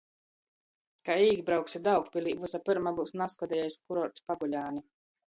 Kai ībrauksi Daugpilī, vysa pyrma byus nazkodejais kurorts Paguļāni.